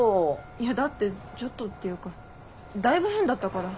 いやだってちょっとっていうかだいぶ変だったから。